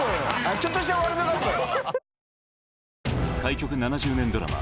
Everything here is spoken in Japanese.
ちょっとしたワールドカップよ。